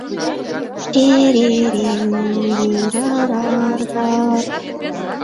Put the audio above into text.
Э-ре-ре, ре-ра-ра-рар